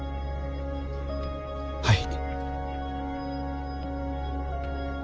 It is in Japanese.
はい。